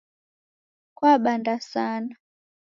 Kwabanda sana